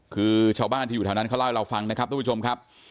คือชาวบ้านที่อยู่แถวนั้นเขาเล่าให้เราฟังนะครับทุกผู้ชมครับ